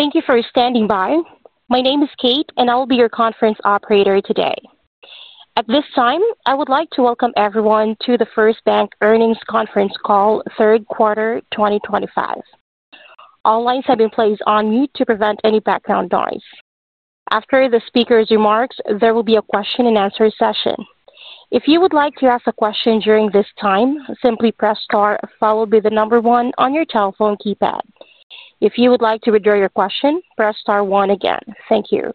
Thank you for standing by. My name is Kate, and I will be your conference operator today. At this time, I would like to welcome everyone to the First Bank Earnings Conference Call, Third Quarter 2025. All lines have been placed on mute to prevent any background noise. After the speaker's remarks, there will be a question and answer session. If you would like to ask a question during this time, simply press star followed by the number one on your telephone keypad. If you would like to withdraw your question, press star one again. Thank you.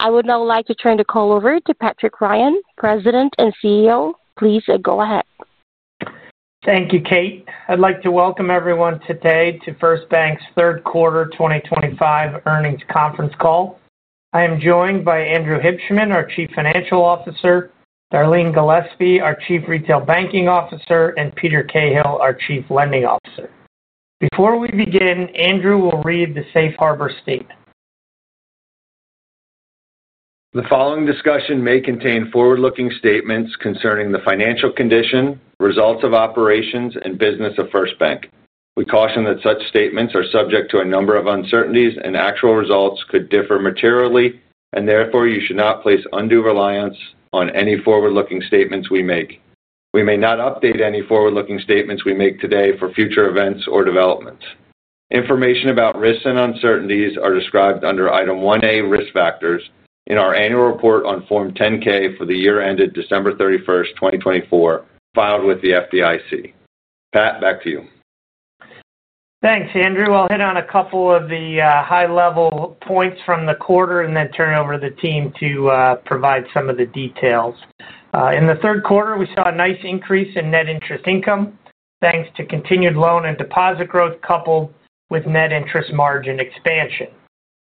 I would now like to turn the call over to Patrick Ryan, President and CEO. Please go ahead. Thank you, Kate. I'd like to welcome everyone today to First Bank's Third Quarter 2025 Earnings Conference Call. I am joined by Andrew Hibshman, our Chief Financial Officer, Darleen Gillespie, our Chief Retail Banking Officer, and Peter Cahill, our Chief Lending Officer. Before we begin, Andrew will read the safe harbor statement. The following discussion may contain forward-looking statements concerning the financial condition, results of operations, and business of First Bank. We caution that such statements are subject to a number of uncertainties, and actual results could differ materially, and therefore you should not place undue reliance on any forward-looking statements we make. We may not update any forward-looking statements we make today for future events or developments. Information about risks and uncertainties are described under Item 1A Risk Factors in our annual report on Form 10-K for the year ended December 31, 2024, filed with the FDIC. Pat, back to you. Thanks, Andrew. I'll hit on a couple of the high-level points from the quarter and then turn it over to the team to provide some of the details. In the third quarter, we saw a nice increase in net interest income thanks to continued loan and deposit growth coupled with net interest margin expansion.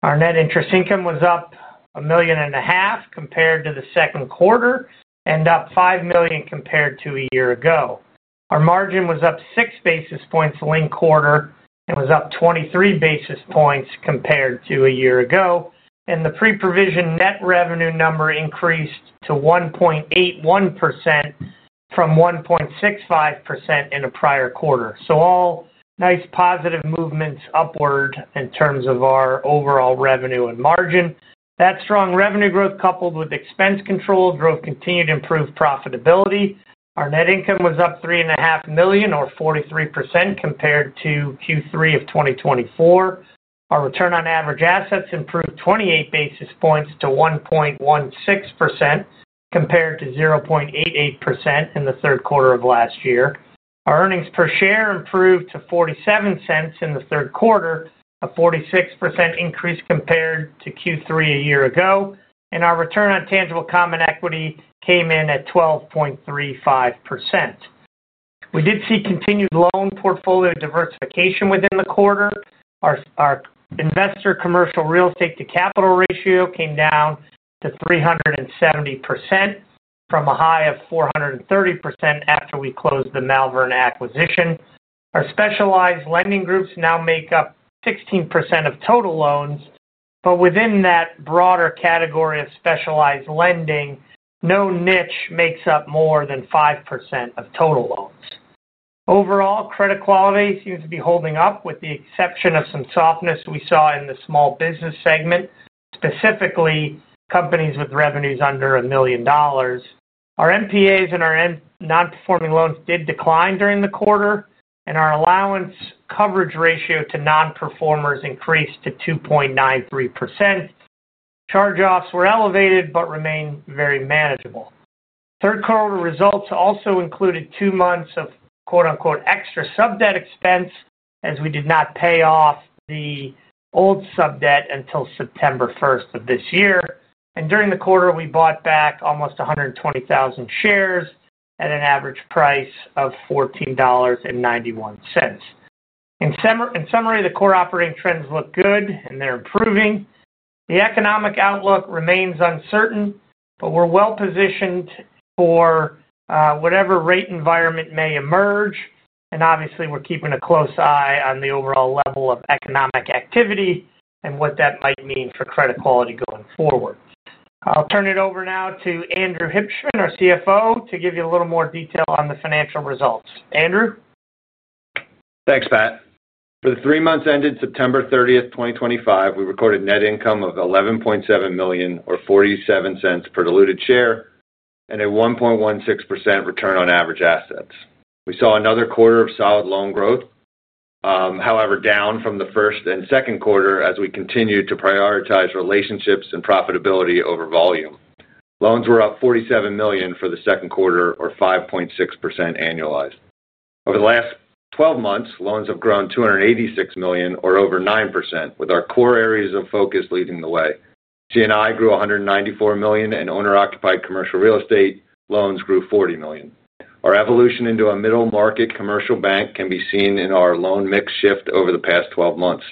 Our net interest income was up $1.5 million compared to the second quarter and up $5 million compared to a year ago. Our margin was up 6 basis points the linked quarter and was up 23 basis points compared to a year ago, and the pre-provision net revenue number increased to 1.81% from 1.65% in a prior quarter. All nice positive movements upward in terms of our overall revenue and margin. That strong revenue growth coupled with expense control growth continued to improve profitability. Our net income was up $3.5 million, or 43% compared to Q3 of 2024. Our return on average assets improved 28 basis points to 1.16% compared to 0.88% in the third quarter of last year. Our earnings per share improved to $0.47 in the third quarter, a 46% increase compared to Q3 a year ago, and our return on tangible common equity came in at 12.35%. We did see continued loan portfolio diversification within the quarter. Our investor commercial real estate to capital ratio came down to 370% from a high of 430% after we closed the Malvern Bank acquisition. Our specialized lending groups now make up 16% of total loans, but within that broader category of specialized lending, no niche makes up more than 5% of total loans. Overall, credit quality seems to be holding up with the exception of some softness we saw in the small business segment, specifically companies with revenues under $1 million. Our NPAs and our non-performing loans did decline during the quarter, and our allowance coverage ratio to non-performers increased to 2.93%. Charge-offs were elevated but remain very manageable. Third quarter results also included two months of "extra" sub-debt expense as we did not pay off the old sub-debt until September 1 of this year. During the quarter, we bought back almost 120,000 shares at an average price of $14.91. In summary, the core operating trends look good and they're improving. The economic outlook remains uncertain, but we're well-positioned for whatever rate environment may emerge, and obviously we're keeping a close eye on the overall level of economic activity and what that might mean for credit quality going forward. I'll turn it over now to Andrew Hibshman, our CFO, to give you a little more detail on the financial results. Andrew? Thanks, Pat. For the three months ended September 30, 2025, we recorded net income of $11.7 million, or $0.47 per diluted share, and a 1.16% return on average assets. We saw another quarter of solid loan growth, however, down from the first and second quarter as we continued to prioritize relationships and profitability over volume. Loans were up $47 million for the second quarter, or 5.6% annualized. Over the last 12 months, loans have grown $286 million, or over 9%, with our core areas of focus leading the way. C&I grew $194 million, and owner-occupied commercial real estate loans grew $40 million. Our evolution into a middle-market commercial bank can be seen in our loan mix shift over the past 12 months.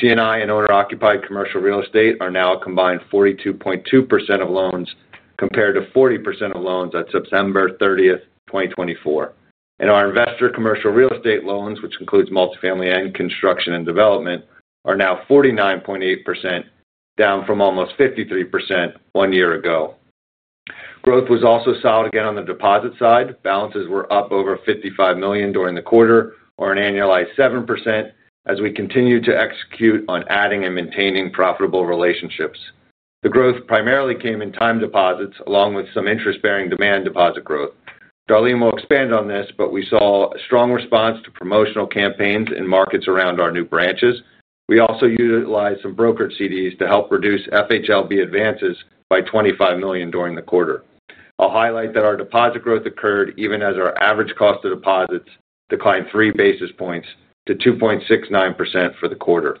C&I and owner-occupied commercial real estate are now a combined 42.2% of loans compared to 40% of loans at September 30, 2024. Our investor commercial real estate loans, which includes multifamily and construction and development, are now 49.8%, down from almost 53% one year ago. Growth was also solid again on the deposit side. Balances were up over $55 million during the quarter, or an annualized 7%, as we continued to execute on adding and maintaining profitable relationships. The growth primarily came in time deposits along with some interest-bearing demand deposit growth. Darleen will expand on this, but we saw a strong response to promotional campaigns in markets around our new branches. We also utilized some brokerage CDs to help reduce FHLB advances by $25 million during the quarter. I'll highlight that our deposit growth occurred even as our average cost of deposits declined three basis points to 2.69% for the quarter.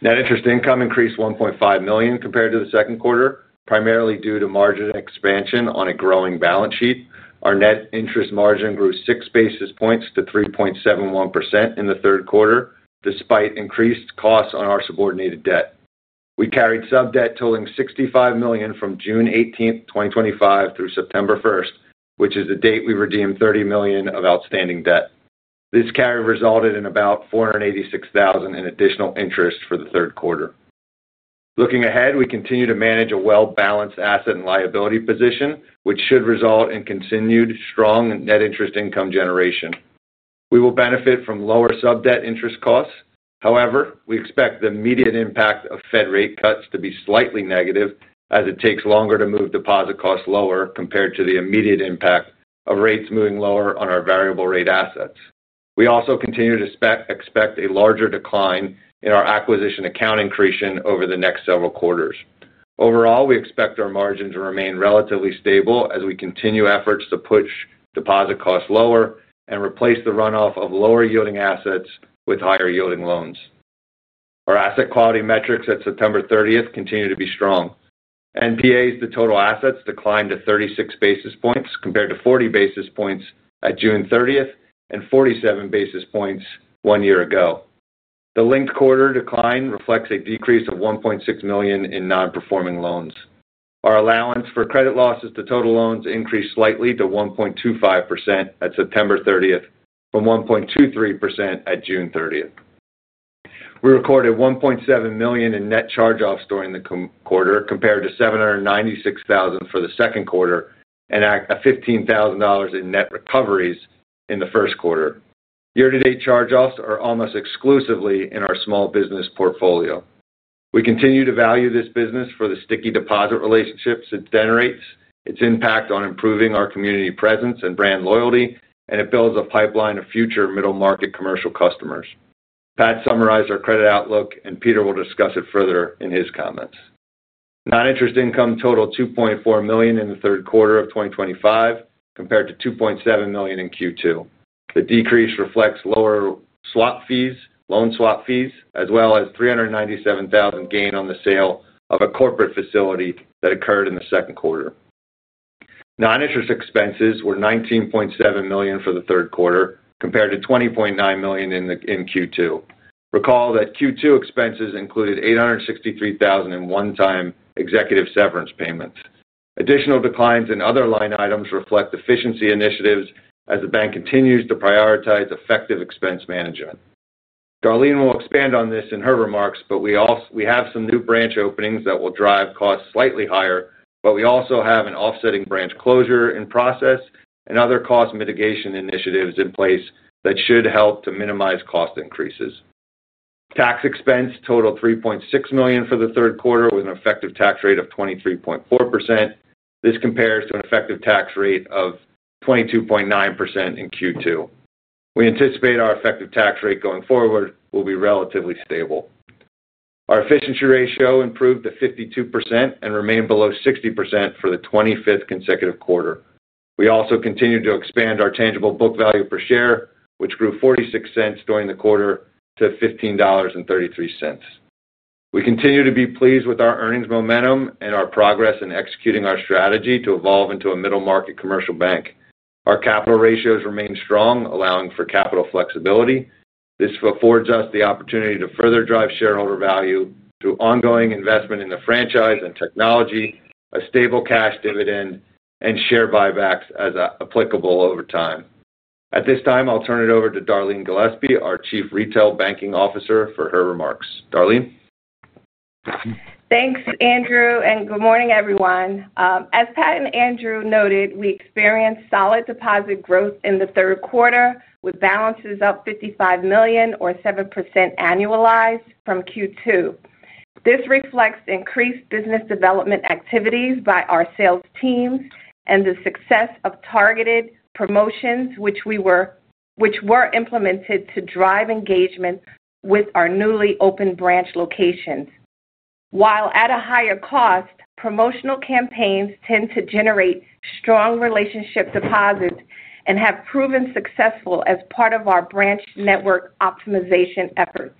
Net interest income increased $1.5 million compared to the second quarter, primarily due to margin expansion on a growing balance sheet. Our net interest margin grew six basis points to 3.71% in the third quarter, despite increased costs on our subordinated debt. We carried sub-debt totaling $65 million from June 18, 2025 through September 1, which is the date we redeemed $30 million of outstanding debt. This carry resulted in about $486,000 in additional interest for the third quarter. Looking ahead, we continue to manage a well-balanced asset and liability position, which should result in continued strong net interest income generation. We will benefit from lower sub-debt interest costs, however, we expect the immediate impact of Federal Reserve rate cuts to be slightly negative as it takes longer to move deposit costs lower compared to the immediate impact of rates moving lower on our variable rate assets. We also continue to expect a larger decline in our acquisition accounting creation over the next several quarters. Overall, we expect our margins to remain relatively stable as we continue efforts to push deposit costs lower and replace the runoff of lower yielding assets with higher yielding loans. Our asset quality metrics at September 30th continue to be strong. Non-performing assets, the total assets, declined to 36 basis points compared to 40 basis points at June 30th and 47 basis points one year ago. The linked quarter decline reflects a decrease of $1.6 million in non-performing loans. Our allowance for credit losses to total loans increased slightly to 1.25% at September 30th from 1.23% at June 30th. We recorded $1.7 million in net charge-offs during the quarter compared to $796,000 for the second quarter and $15,000 in net recoveries in the first quarter. Year-to-date charge-offs are almost exclusively in our small business segment. We continue to value this business for the sticky deposit relationships it generates, its impact on improving our community presence and brand loyalty, and it builds a pipeline of future middle-market commercial customers. Patrick summarized our credit outlook, and Peter will discuss it further in his comments. Non-interest income totaled $2.4 million in the third quarter of 2025 compared to $2.7 million in Q2. The decrease reflects lower swap fees, loan swap fees, as well as a $397,000 gain on the sale of a corporate facility that occurred in the second quarter. Non-interest expenses were $19.7 million for the third quarter compared to $20.9 million in Q2. Recall that Q2 expenses included $863,000 in one-time executive severance payments. Additional declines in other line items reflect efficiency initiatives as the bank continues to prioritize effective expense management. Darleen will expand on this in her remarks, but we have some new branch openings that will drive costs slightly higher, but we also have an offsetting branch closure in process and other cost mitigation initiatives in place that should help to minimize cost increases. Tax expense totaled $3.6 million for the third quarter with an effective tax rate of 23.4%. This compares to an effective tax rate of 22.9% in Q2. We anticipate our effective tax rate going forward will be relatively stable. Our efficiency ratio improved to 52% and remained below 60% for the 25th consecutive quarter. We also continued to expand our tangible book value per share, which grew $0.46 during the quarter to $15.33. We continue to be pleased with our earnings momentum and our progress in executing our strategy to evolve into a middle-market commercial bank. Our capital ratios remain strong, allowing for capital flexibility. This affords us the opportunity to further drive shareholder value through ongoing investment in the franchise and technology, a stable cash dividend, and share buybacks as applicable over time. At this time, I'll turn it over to Darleen Gillespie, our Chief Retail Banking Officer, for her remarks. Darleen? Thanks, Andrew, and good morning, everyone. As Pat and Andrew noted, we experienced solid deposit growth in the third quarter with balances up $55 million, or 7% annualized from Q2. This reflects increased business development activities by our sales teams and the success of targeted promotions, which were implemented to drive engagement with our newly opened branch locations. While at a higher cost, promotional campaigns tend to generate strong relationship deposits and have proven successful as part of our branch network optimization efforts.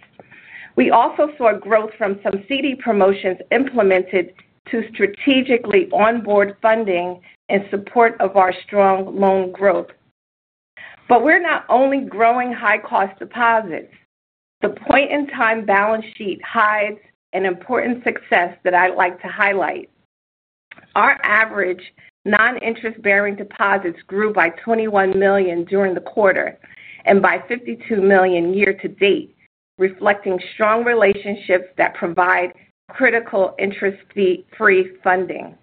We also saw growth from some CD promotions implemented to strategically onboard funding in support of our strong loan growth. We are not only growing high-cost deposits. The point-in-time balance sheet hides an important success that I'd like to highlight. Our average non-interest-bearing deposits grew by $21 million during the quarter and by $52 million year-to-date, reflecting strong relationships that provide critical interest-free funding.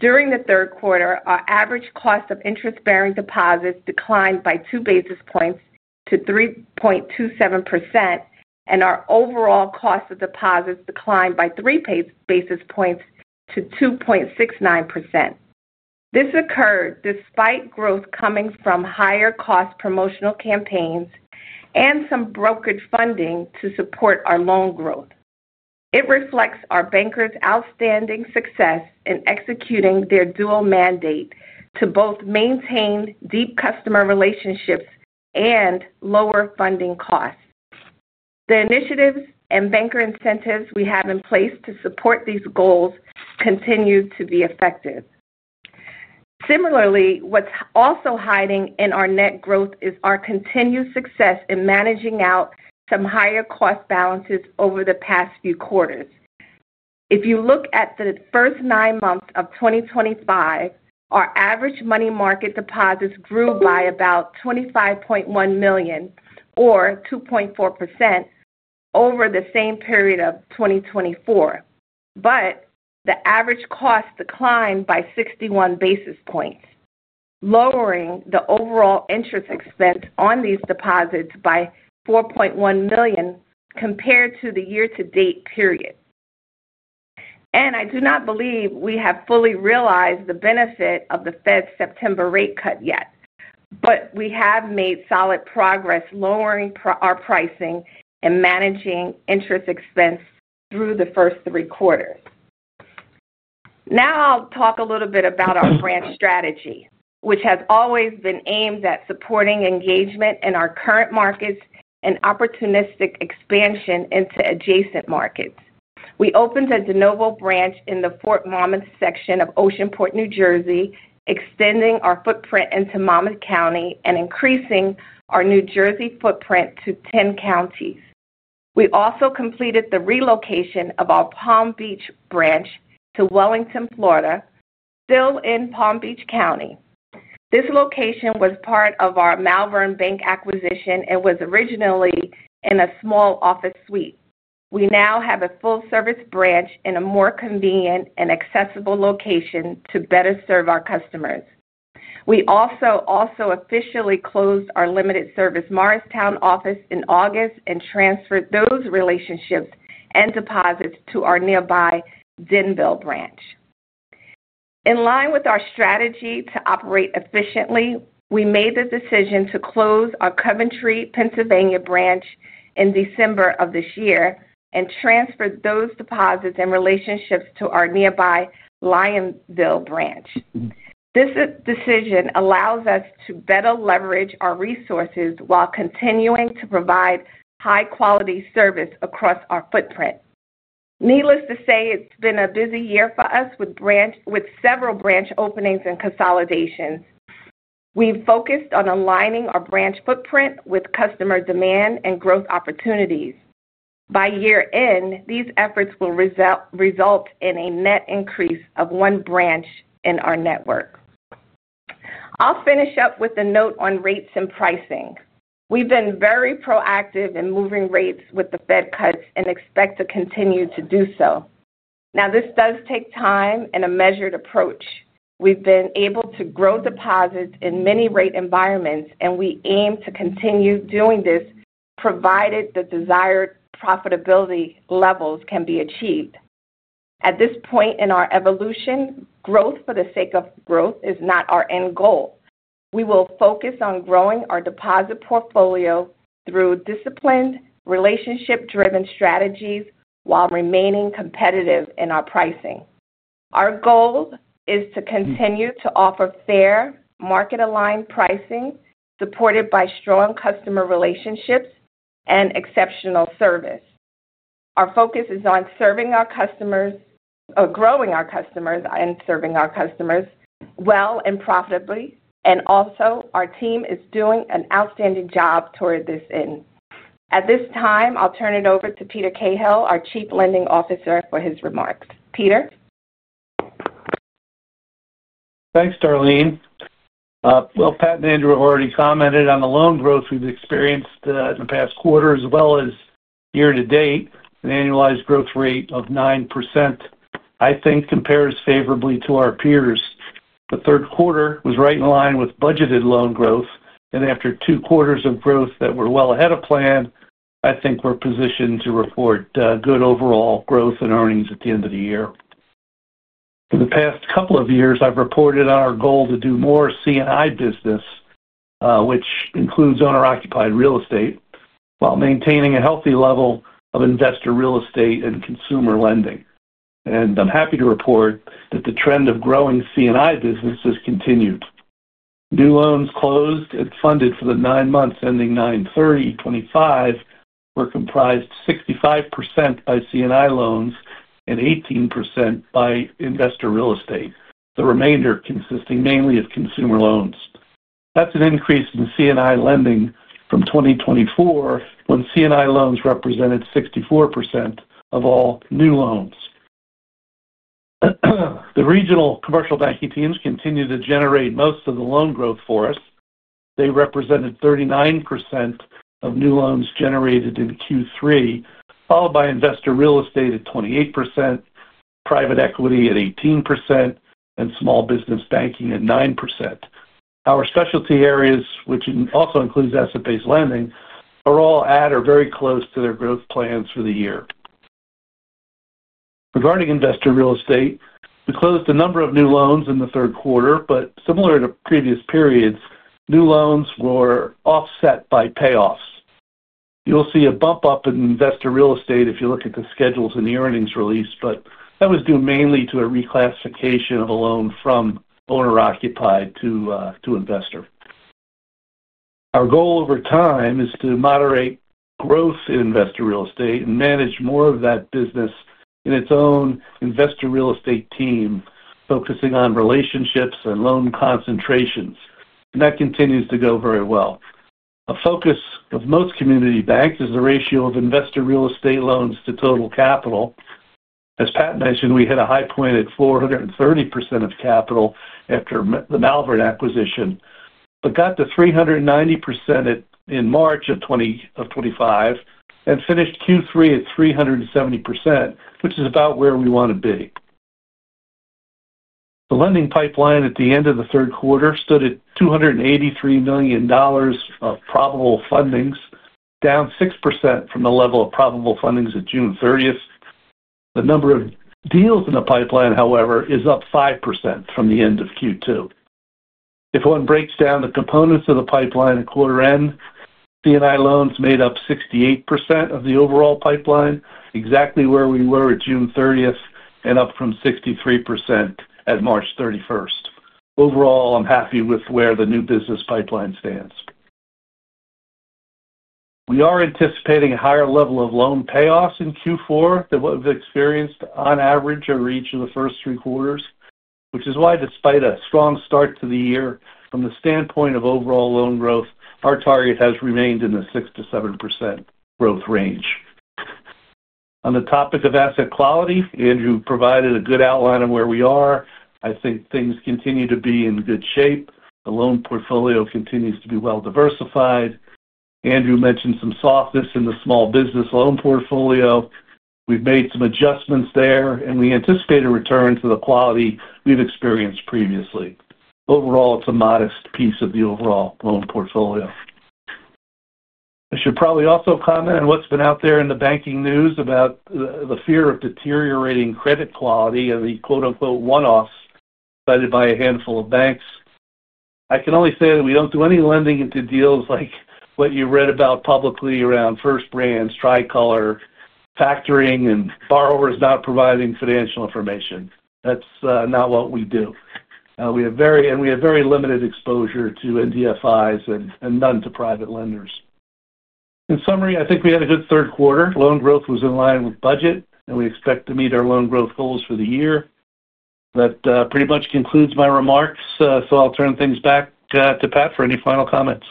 During the third quarter, our average cost of interest-bearing deposits declined by 2 basis points to 3.27%, and our overall cost of deposits declined by 3 basis points to 2.69%. This occurred despite growth coming from higher-cost promotional campaigns and some brokered funding to support our loan growth. It reflects our bankers' outstanding success in executing their dual mandate to both maintain deep customer relationships and lower funding costs. The initiatives and banker incentives we have in place to support these goals continue to be effective. Similarly, what's also hiding in our net growth is our continued success in managing out some higher-cost balances over the past few quarters. If you look at the first nine months of 2025, our average money market deposits grew by about $25.1 million or 2.4% over the same period of 2024, but the average cost declined by 61 basis points, lowering the overall interest expense on these deposits by $4.1 million compared to the year-to-date period. I do not believe we have fully realized the benefit of the Federal Reserve's September rate cut yet, but we have made solid progress lowering our pricing and managing interest expense through the first three quarters. Now I'll talk a little bit about our branch strategy, which has always been aimed at supporting engagement in our current markets and opportunistic expansion into adjacent markets. We opened a de novo branch in the Fort Monmouth section of Oceanport, New Jersey, extending our footprint into Monmouth County and increasing our New Jersey footprint to 10 counties. We also completed the relocation of our Palm Beach branch to Wellington, Florida, still in Palm Beach County. This location was part of our Malvern Bank acquisition and was originally in a small office suite. We now have a full-service branch in a more convenient and accessible location to better serve our customers. We also officially closed our limited service Morristown office in August and transferred those relationships and deposits to our nearby Denville branch. In line with our strategy to operate efficiently, we made the decision to close our Coventry, Pennsylvania branch in December of this year and transferred those deposits and relationships to our nearby Lionville branch. This decision allows us to better leverage our resources while continuing to provide high-quality service across our footprint. Needless to say, it's been a busy year for us with several branch openings and consolidations. We've focused on aligning our branch footprint with customer demand and growth opportunities. By year-end, these efforts will result in a net increase of one branch in our network. I'll finish up with a note on rates and pricing. We've been very proactive in moving rates with the Federal Reserve cuts and expect to continue to do so. Now, this does take time and a measured approach. We've been able to grow deposits in many rate environments, and we aim to continue doing this provided the desired profitability levels can be achieved. At this point in our evolution, growth for the sake of growth is not our end goal. We will focus on growing our deposit portfolio through disciplined, relationship-driven strategies while remaining competitive in our pricing. Our goal is to continue to offer fair, market-aligned pricing supported by strong customer relationships and exceptional service. Our focus is on serving our customers or growing our customers and serving our customers well and profitably, and also our team is doing an outstanding job toward this end. At this time, I'll turn it over to Peter Cahill, our Chief Lending Officer, for his remarks. Peter? Thanks, Darleen. Pat and Andrew already commented on the loan growth we've experienced in the past quarter as well as year-to-date, an annualized growth rate of 9%. I think compares favorably to our peers. The third quarter was right in line with budgeted loan growth, and after two quarters of growth that were well ahead of plan, I think we're positioned to report good overall growth in earnings at the end of the year. For the past couple of years, I've reported on our goal to do more C&I business, which includes owner-occupied real estate, while maintaining a healthy level of investor real estate and consumer lending. I'm happy to report that the trend of growing C&I business has continued. New loans closed and funded for the nine months ending 9/30/2025 were comprised 65% by C&I loans and 18% by investor real estate, the remainder consisting mainly of consumer loans. That's an increase in C&I lending from 2024 when C&I loans represented 64% of all new loans. The regional commercial banking teams continue to generate most of the loan growth for us. They represented 39% of new loans generated in Q3, followed by investor real estate at 28%, private equity at 18%, and small business banking at 9%. Our specialty areas, which also include asset-based lending, are all at or very close to their growth plans for the year. Regarding investor real estate, we closed a number of new loans in the third quarter, but similar to previous periods, new loans were offset by payoffs. You'll see a bump up in investor real estate if you look at the schedules in the earnings release, but that was due mainly to a reclassification of a loan from owner-occupied to investor. Our goal over time is to moderate growth in investor real estate and manage more of that business in its own investor real estate team, focusing on relationships and loan concentrations, and that continues to go very well. A focus of most community banks is the ratio of investor real estate loans to total capital. As Pat mentioned, we hit a high point at 430% of capital after the Malvern Bank acquisition, but got to 390% in March of 2025 and finished Q3 at 370%, which is about where we want to be. The lending pipeline at the end of the third quarter stood at $283 million of probable fundings, down 6% from the level of probable fundings at June 30th. The number of deals in the pipeline, however, is up 5% from the end of Q2. If one breaks down the components of the pipeline at quarter end, C&I loans made up 68% of the overall pipeline, exactly where we were at June 30th and up from 63% at March 31st. Overall, I'm happy with where the new business pipeline stands. We are anticipating a higher level of loan payoffs in Q4 than what we've experienced on average or reached in the first three quarters, which is why, despite a strong start to the year, from the standpoint of overall loan growth, our target has remained in the 6%-7% growth range. On the topic of asset quality, Andrew provided a good outline of where we are. I think things continue to be in good shape. The loan portfolio continues to be well-diversified. Andrew mentioned some softness in the small business loan portfolio. We've made some adjustments there, and we anticipate a return to the quality we've experienced previously. Overall, it's a modest piece of the overall loan portfolio. I should probably also comment on what's been out there in the banking news about the fear of deteriorating credit quality and the quote-unquote "one-offs" cited by a handful of banks. I can only say that we don't do any lending into deals like what you read about publicly around First Brands, Tricolor, factoring, and borrowers not providing financial information. That's not what we do. We have very, and we have very limited exposure to NDFIs and none to private lenders. In summary, I think we had a good third quarter. Loan growth was in line with budget, and we expect to meet our loan growth goals for the year. That pretty much concludes my remarks, so I'll turn things back to Pat for any final comments.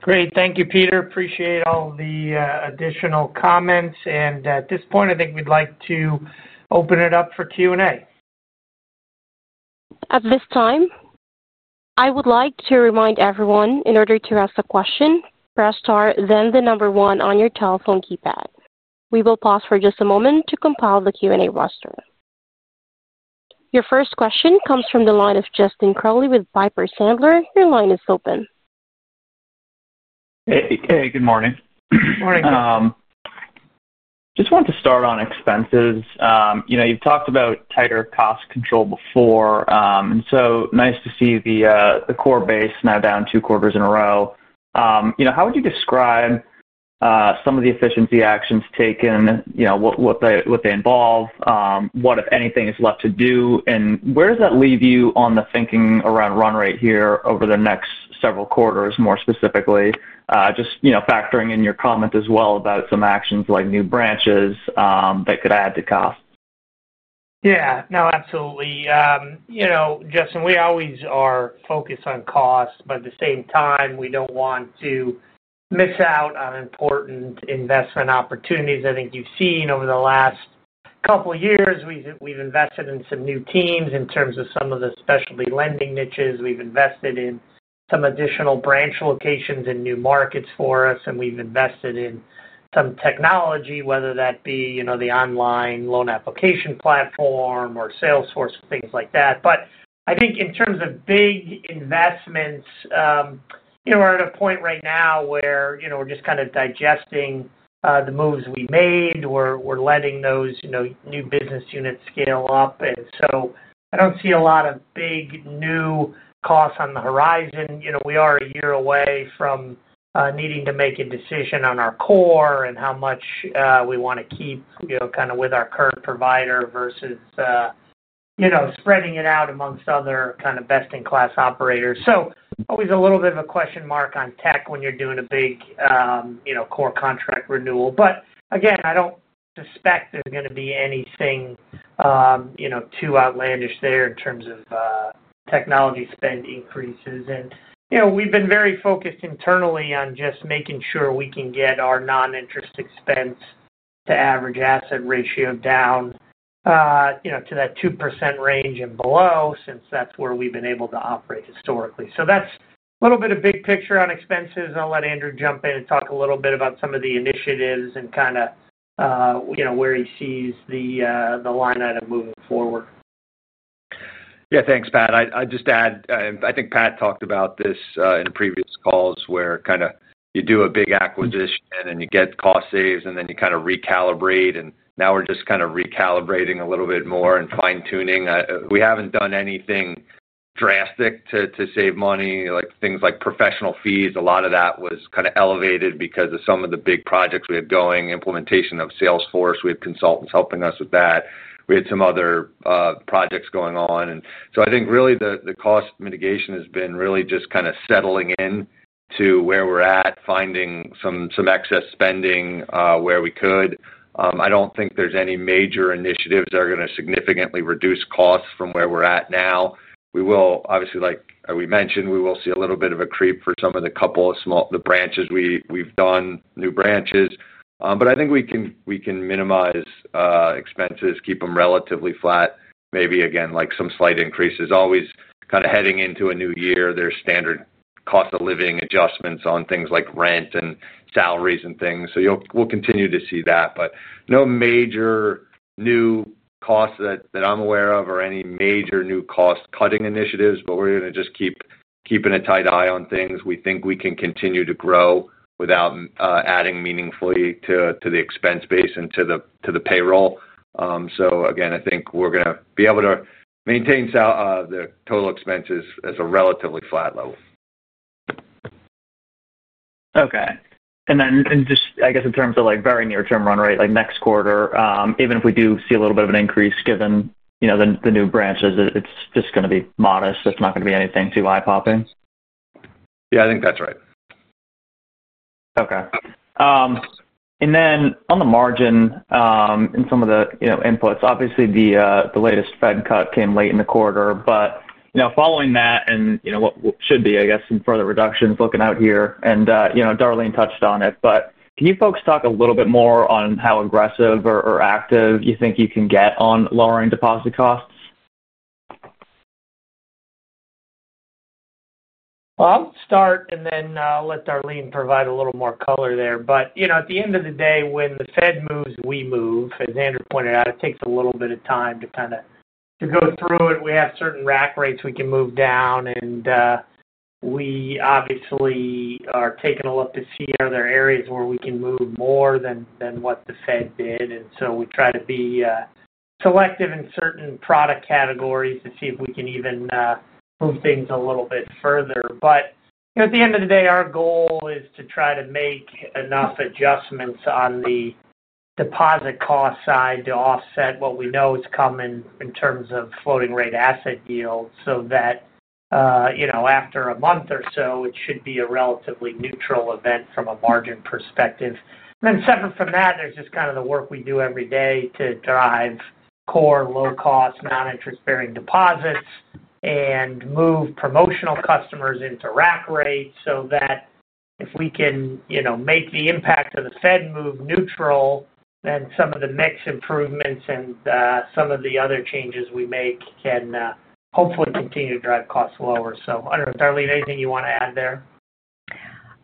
Great. Thank you, Peter. Appreciate all the additional comments. At this point, I think we'd like to open it up for Q&A. At this time, I would like to remind everyone, in order to ask a question, press star then the number one on your telephone keypad. We will pause for just a moment to compile the Q&A roster. Your first question comes from the line of Justin Crowley with Piper Sandler. Your line is open. Hey, good morning. Morning. Just wanted to start on expenses. You've talked about tighter cost control before, and so nice to see the core base now down two quarters in a row. How would you describe some of the efficiency actions taken, what they involve, what, if anything, is left to do, and where does that leave you on the thinking around run rate here over the next several quarters, more specifically? Just factoring in your comment as well about some actions like new branches that could add to costs. Yeah. No, absolutely. You know, Justin, we always are focused on cost, but at the same time, we don't want to miss out on important investment opportunities. I think you've seen over the last couple of years, we've invested in some new teams in terms of some of the specialty lending niches. We've invested in some additional branch locations in new markets for us, and we've invested in some technology, whether that be the online loan application platform or Salesforce, things like that. I think in terms of big investments, we're at a point right now where we're just kind of digesting the moves we made. We're letting those new business units scale up, and I don't see a lot of big new costs on the horizon. We are a year away from needing to make a decision on our core and how much we want to keep kind of with our current provider versus spreading it out amongst other kind of best-in-class operators. Always a little bit of a question mark on tech when you're doing a big core contract renewal. Again, I don't suspect there's going to be anything too outlandish there in terms of technology spend increases. We've been very focused internally on just making sure we can get our non-interest expense to average asset ratio down to that 2% range and below since that's where we've been able to operate historically. That's a little bit of big picture on expenses, and I'll let Andrew jump in and talk a little bit about some of the initiatives and kind of where he sees the line item moving forward. Yeah, thanks, Pat. I'd just add, I think Pat talked about this in previous calls where you do a big acquisition and you get cost saves, and then you recalibrate, and now we're just recalibrating a little bit more and fine-tuning. We haven't done anything drastic to save money, like things like professional fees. A lot of that was elevated because of some of the big projects we had going, implementation of Salesforce. We had consultants helping us with that. We had some other projects going on. I think really the cost mitigation has been just settling in to where we're at, finding some excess spending where we could. I don't think there's any major initiatives that are going to significantly reduce costs from where we're at now. We will obviously, like we mentioned, see a little bit of a creep for some of the couple of small branches we've done, new branches, but I think we can minimize expenses, keep them relatively flat, maybe again like some slight increases. Always heading into a new year, there's standard cost of living adjustments on things like rent and salaries and things, so we'll continue to see that. No major new costs that I'm aware of or any major new cost-cutting initiatives, but we're going to just keep keeping a tight eye on things. We think we can continue to grow without adding meaningfully to the expense base and to the payroll. Again, I think we're going to be able to maintain the total expenses as a relatively flat level. Okay. In terms of very near-term run rate, like next quarter, even if we do see a little bit of an increase given the new branches, it's just going to be modest. It's not going to be anything too eye-popping. Yeah, I think that's right. Okay. On the margin and some of the inputs, obviously the latest Federal Reserve cut came late in the quarter. Now, following that and what should be, I guess, some further reductions looking out here, and Darleen Gillespie touched on it, can you folks talk a little bit more on how aggressive or active you think you can get on lowering deposit costs? I'll start and then let Darleen provide a little more color there. At the end of the day, when the Federal Reserve moves, we move. As Andrew pointed out, it takes a little bit of time to kind of go through it. We have certain rack rates we can move down, and we obviously are taking a look to see are there areas where we can move more than what the Federal Reserve did. We try to be selective in certain product categories to see if we can even move things a little bit further. At the end of the day, our goal is to try to make enough adjustments on the deposit cost side to offset what we know is coming in terms of floating rate asset yield so that after a month or so, it should be a relatively neutral event from a margin perspective. Separate from that, there's just kind of the work we do every day to drive core low-cost non-interest-bearing deposits and move promotional customers into rack rates so that if we can make the impact of the Federal Reserve move neutral, then some of the mix improvements and some of the other changes we make can hopefully continue to drive costs lower. I don't know, Darleen, anything you want to add there?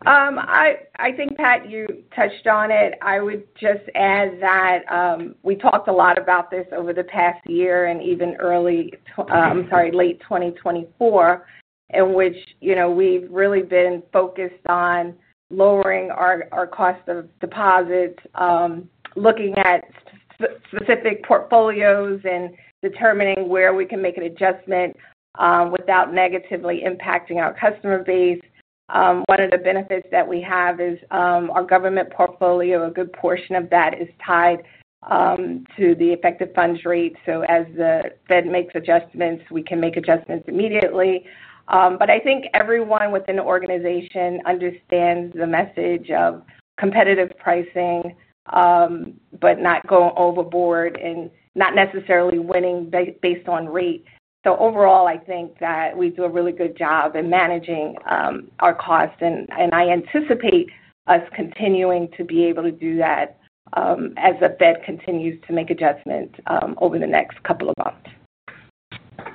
I think, Pat, you touched on it. I would just add that we talked a lot about this over the past year and even late 2024, in which you know we've really been focused on lowering our cost of deposits, looking at specific portfolios and determining where we can make an adjustment without negatively impacting our customer base. One of the benefits that we have is our government portfolio, a good portion of that is tied to the effective funds rate. As the Federal Reserve makes adjustments, we can make adjustments immediately. I think everyone within the organization understands the message of competitive pricing but not going overboard and not necessarily winning based on rate. Overall, I think that we do a really good job in managing our costs, and I anticipate us continuing to be able to do that as the Federal Reserve continues to make adjustments over the next couple of months.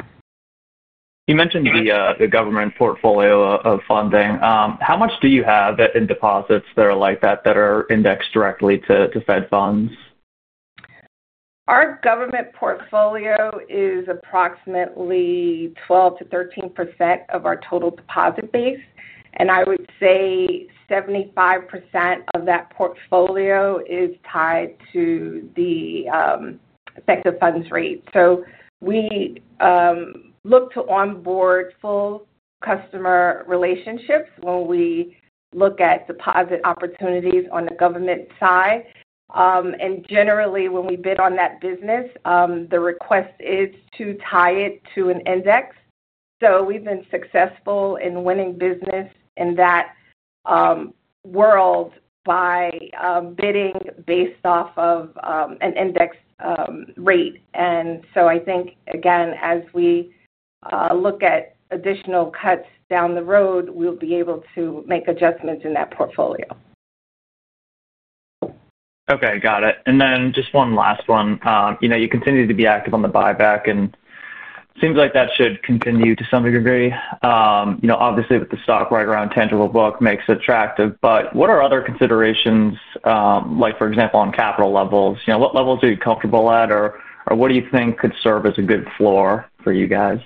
You mentioned the government portfolio of funding. How much do you have in deposits that are like that, that are indexed directly to Fed funds? Our government portfolio is approximately 12%-13% of our total deposit base, and I would say 75% of that portfolio is tied to the effective funds rate. We look to onboard full customer relationships when we look at deposit opportunities on the government side. Generally, when we bid on that business, the request is to tie it to an index. We have been successful in winning business in that world by bidding based off of an index rate. I think, again, as we look at additional cuts down the road, we'll be able to make adjustments in that portfolio. Okay, got it. Just one last one. You continue to be active on the buyback, and it seems like that should continue to some degree. Obviously, with the stock right around tangible book makes it attractive, but what are other considerations, like for example, on capital levels? What levels are you comfortable at, or what do you think could serve as a good floor for you guys?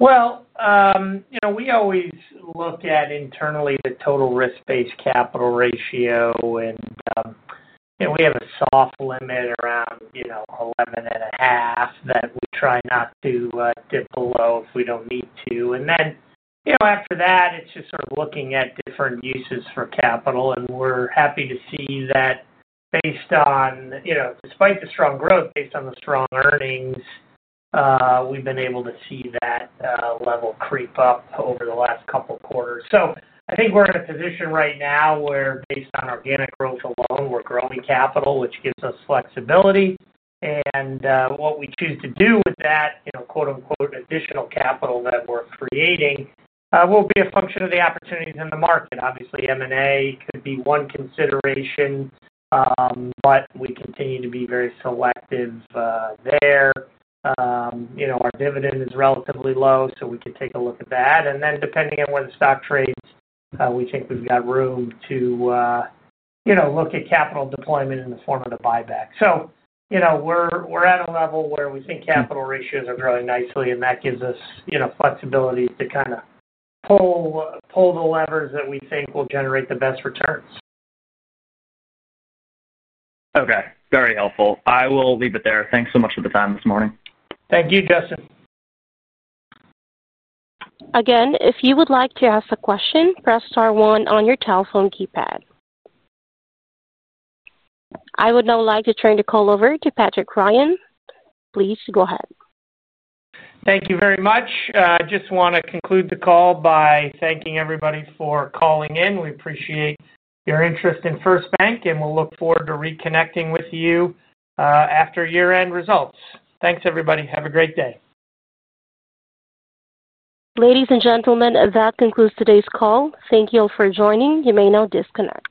We always look at internally the total risk-based capital ratio, and we have a soft limit around 11.5% that we try not to dip below if we don't need to. After that, it's just sort of looking at different uses for capital, and we're happy to see that, despite the strong growth, based on the strong earnings, we've been able to see that level creep up over the last couple of quarters. I think we're in a position right now where, based on organic growth alone, we're growing capital, which gives us flexibility. What we choose to do with that, quote-unquote, "additional capital" that we're creating will be a function of the opportunities in the market. Obviously, M&A could be one consideration, but we continue to be very selective there. Our dividend is relatively low, so we could take a look at that. Depending on where the stock trades, we think we've got room to look at capital deployment in the form of the buyback. We're at a level where we think capital ratios are growing nicely, and that gives us flexibility to kind of pull the levers that we think will generate the best returns. Okay, very helpful. I will leave it there. Thanks so much for the time this morning. Thank you, Justin. Again, if you would like to ask a question, press star one on your telephone keypad. I would now like to turn the call over to Patrick Ryan. Please go ahead. Thank you very much. I just want to conclude the call by thanking everybody for calling in. We appreciate your interest in First Bank, and we'll look forward to reconnecting with you after year-end results. Thanks, everybody. Have a great day. Ladies and gentlemen, that concludes today's call. Thank you all for joining. You may now disconnect.